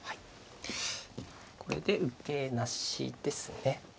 これで受けなしですね。